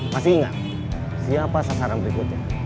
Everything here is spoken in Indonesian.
masih ingat siapa sasaran berikutnya